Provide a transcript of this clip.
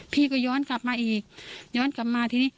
พี่ก็ย้อนกลับมาอีกย้อนกลับมาทีนี้